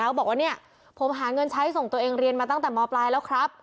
บอกว่าเนี่ยผมหาเงินใช้ส่งตัวเองเรียนมาตั้งแต่มปลายแล้วครับ